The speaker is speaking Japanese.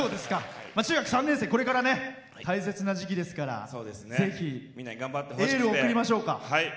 中学３年生大切な時期ですから、ぜひエールを送りましょうか。